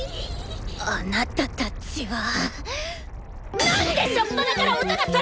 あなたたちはなんっで初っぱなから音がそろわないのよ！